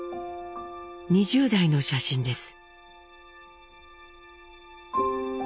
２０代の写真です。